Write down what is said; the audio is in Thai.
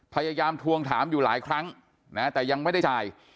พยายามทวงถามอยู่หลายครั้งนะแต่ยังไม่ได้จ่าย